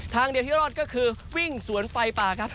ทางเดียวที่รอดก็คือวิ่งสวนไฟป่าครับ